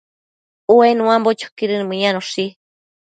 Ue nuambo choquidën mëyanoshi